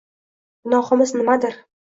Gunohimiz nimadir?